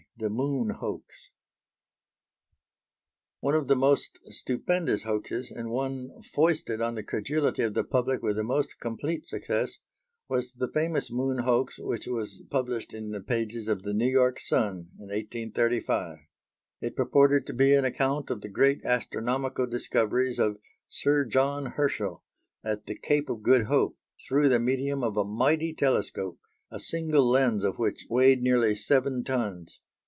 THE MOON HOAX One of the most stupendous hoaxes, and one foisted on the credulity of the public with the most complete success, was the famous Moon Hoax which was published in the pages of the New York Sun in 1835. It purported to be an account of the great astronomical discoveries of Sir John Herschel at the Cape of Good Hope, through the medium of a mighty telescope, a single lens of which weighed nearly seven tons.